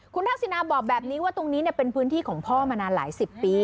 คุณทักษินาบอกแบบนี้ว่าตรงนี้เป็นพื้นที่ของพ่อมานานหลายสิบปี